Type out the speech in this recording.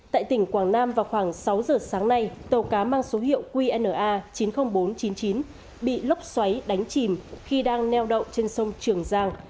tại tỉnh quảng nam vào khoảng sáu giờ sáng nay tàu cá mang số hiệu qna chín mươi nghìn bốn trăm chín mươi chín bị lốc xoáy đánh chìm khi đang neo đậu trên sông trường giang